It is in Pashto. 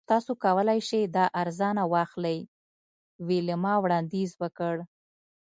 تاسو کولی شئ دا ارزانه واخلئ ویلما وړاندیز وکړ